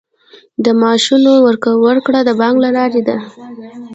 د معاشونو ورکړه د بانک له لارې ده